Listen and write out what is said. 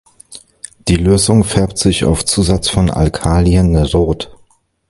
Die Lösung färbt sich auf Zusatz von Alkalien rot.